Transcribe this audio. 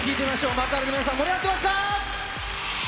幕張の皆さん、盛り上がってますか？